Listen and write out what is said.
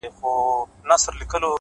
وتاته زه په خپله لپه كي ـ